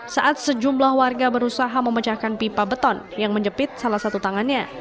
saat sejumlah warga berusaha memecahkan pipa beton yang menjepit salah satu tangannya